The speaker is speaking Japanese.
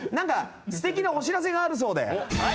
素敵なお知らせがあるようで。